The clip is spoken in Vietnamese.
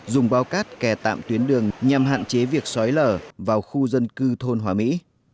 dùng bao cát kè tạm tuyến đường nhằm hạn chế việc xói lở vào khu dân cư thôn hóa mỹ